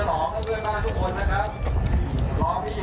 ต้องช่วยบ้านกระทั่วมาใช้